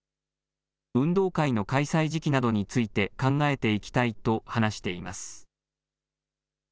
運動会の開催時期などについて考えていきたいと話しています。